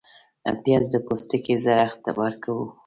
پیاز د پوستکي زړښت ورو کوي